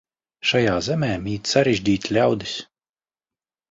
Šajā zemē mīt sarežģīti ļaudis.